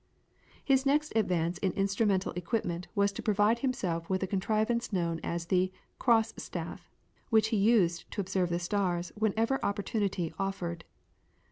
His next advance in instrumental equipment was to provide himself with the contrivance known as the "cross staff," which he used to observe the stars whenever opportunity offered.